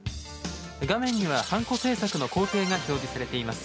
画面には、ハンコ制作の工程が表示されています。